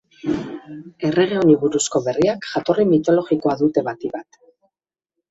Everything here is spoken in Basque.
Errege honi buruzko berriak jatorri mitologikoa dute batik bat.